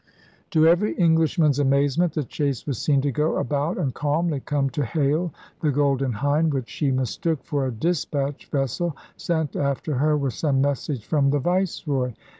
To every Englishman's amazement the chase was seen to go about and calmly come to hail the Golden Hind, which she mistook for a despatch vessel sent after her with some message from the Viceroy!